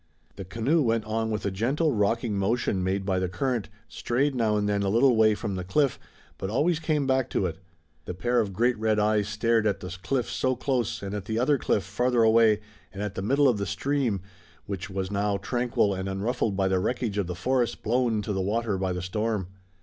The canoe went on with a gentle, rocking motion made by the current, strayed now and then a little way from the cliff, but always came back to it. The pair of great red eyes stared at the cliff so close and at the other cliff farther away and at the middle of the stream, which was now tranquil and unruffled by the wreckage of the forest blown into the water by the storm.